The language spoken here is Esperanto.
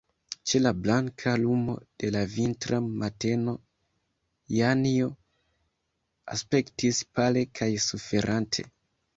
Ĉe la blanka lumo de la vintra mateno Janjo aspektis pale kaj suferante.